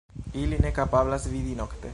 Ili ne kapablas vidi nokte.